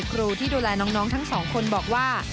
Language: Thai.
ครูที่ดูแลน้องทั้งสองคนบอกว่า